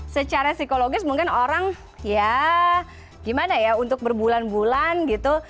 secara psikologis mungkin orang ya gimana ya untuk berbulan bulan gitu